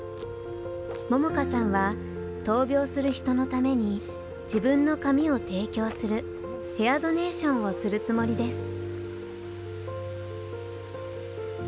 桃花さんは闘病する人のために自分の髪を提供するヘアドネーションをするつもりです。